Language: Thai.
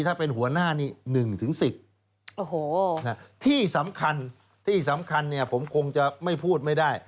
ถ้าเป็นหัวหน้านี่๑๑๐ที่สำคัญผมคงจะไม่พูดไม่ได้